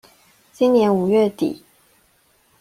今年五月底